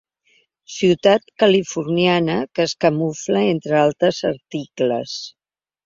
Ciutat californiana que es camufla entre altres articles.